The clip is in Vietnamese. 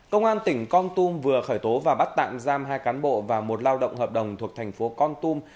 công an tỉnh con tum vừa khởi tố và bắt tạm giam hai cán bộ và một lao động hợp đồng thuộc thành phố con tum